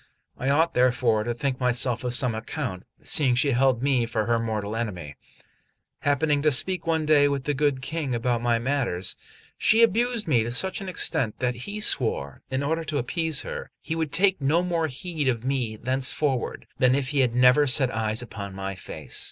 I ought therefore to think myself of some account, seeing she held me for her mortal enemy. Happening to speak one day with the good King about my matters, she abused me to such an extent that he swore, in order to appease her, he would take no more heed of me thenceforward than if he had never set eyes upon my face.